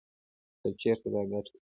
کـه چـېرتـه دا ګـټـه وې.